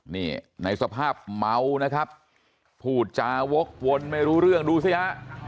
นี่ในสภาพเมานะครับพูดจาวกวนไม่รู้เรื่องดูสิฮะ